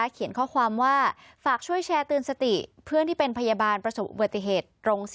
เขียนข้อความว่าฝากช่วยแชร์เตือนสติเพื่อนที่เป็นพยาบาลประสบอุบัติเหตุ